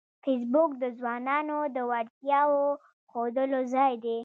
فېسبوک د ځوانانو د وړتیاوو ښودلو ځای دی